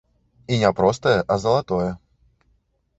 І не простае, а залатое.